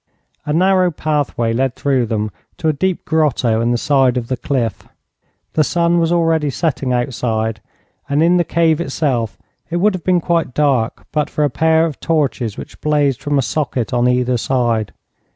A narrow pathway led through them to a deep grotto in the side of the cliff. The sun was already setting outside, and in the cave itself it would have been quite dark but for a pair of torches which blazed from a socket on either side.